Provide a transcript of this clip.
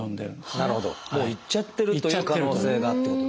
もういっちゃってるという可能性がってことですね。